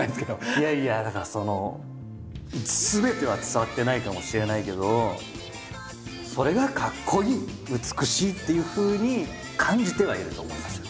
いやいやだからすべては伝わってないかもしれないけどそれがかっこいい美しいっていうふうに感じてはいると思いますよ。